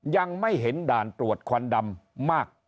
ยังไม่เห็นด่านตรวจควันดำมาก